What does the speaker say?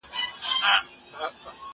زه به د ليکلو تمرين کړی وي!